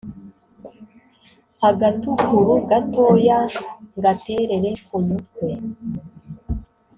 Agatukuru gatoyaNgaterere ku mutwe